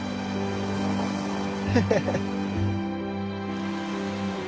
ヘヘヘッ。